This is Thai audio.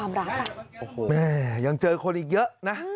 แม่ยังเจอคนอีกเยอะนะ